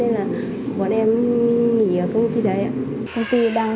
nên là bọn tôi chuẩn bị đến đó